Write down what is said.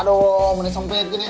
aduh menesong pengin gini ah